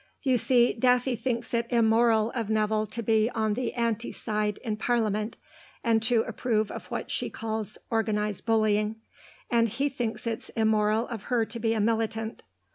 You see, Daffy thinks it immoral of Nevill to be on the anti side in Parliament, and to approve of what she calls organised bullying, and he thinks it immoral of her to be a militant.